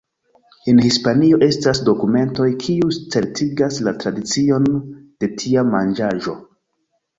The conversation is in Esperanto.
En Hispanio estas dokumentoj kiuj certigas la tradicion de tia manĝaĵo.